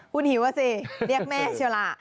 คุณหิวอ่ะสิเรียกแม่ชะละ